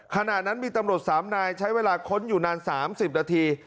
ขณะนั้นมีตำรวจ๓นายใช้เวลาค้นอยู่นาน๓๐นาที